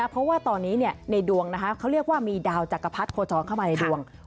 เพราะว่าตอนนี้ในดวงเขาเรียกว่ามีดาวจักรพรรดิโคจรเข้ามาในดวง